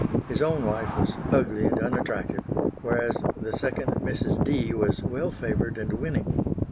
His own wife was ugly and unattractive, whereas the second Mrs. Dee was well favoured and winning.